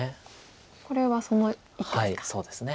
これはその一手ですか。